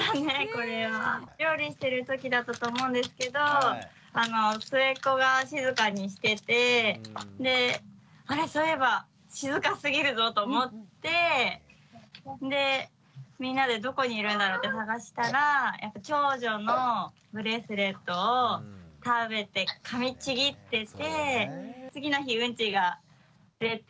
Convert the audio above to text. これは。料理してるときだったと思うんですけど末っ子が静かにしててであれっそういえば静かすぎるぞと思ってでみんなでどこにいるんだろうって捜したら長女のブレスレットを食べてかみちぎってて。